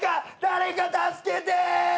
誰か助けて！